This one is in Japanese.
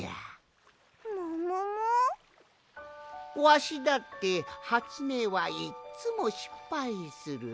わしだってはつめいはいっつもしっぱいする。